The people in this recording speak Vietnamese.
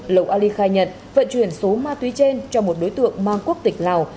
lầu ali khai nhận vận chuyển số ma túy trên cho một đối tượng mang quốc tịch lào